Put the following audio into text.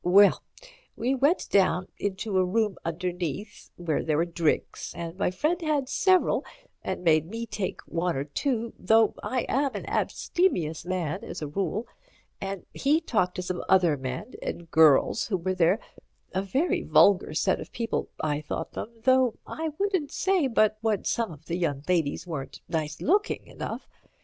"Well, we went down into a room underneath, where there were drinks, and my friend had several, and made me take one or two—though I am an abstemious man as a rule—and he talked to some other men and girls who were there—a very vulgar set of people, I thought them, though I wouldn't say but what some of the young ladies were nice looking enough.